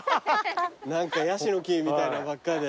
何かヤシの木みたいなのばっかで。